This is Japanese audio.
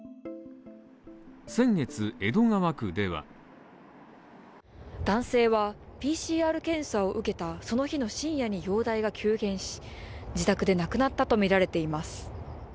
先月、江戸川区では男性はＰＣＲ検査を受けたその日の深夜に容体が急変し、自宅で亡くなったとみられています。